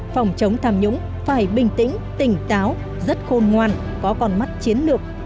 phòng chống tham nhũng phải bình tĩnh tỉnh táo rất khôn ngoan có con mắt chiến lược